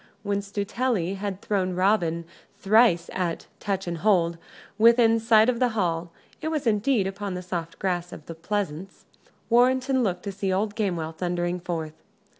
When Stuteley had thrown Robin thrice at "touch and hold," within sight of the hall it was indeed upon the soft grass of the pleasance Warrenton looked to see old Gamewell thundering forth.